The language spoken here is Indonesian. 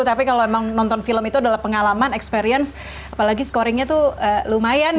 tapi kalau memang nonton film itu adalah pengalaman experience apalagi scoringnya tuh lumayan